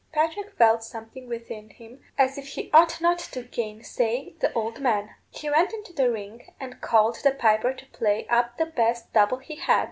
Patrick felt something within him as if he ought not to gainsay the old man. He went into the ring, and called the piper to play up the best double he had.